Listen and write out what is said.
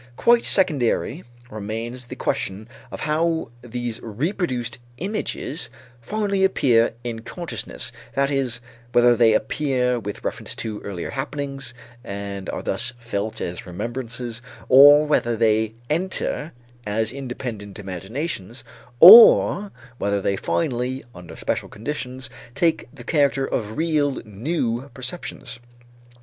Quite secondary remains the question of how these reproduced images finally appear in consciousness, that is, whether they appear with reference to earlier happenings and are thus felt as remembrances, or whether they enter as independent imaginations, or whether they finally, under special conditions, take the character of real, new perceptions.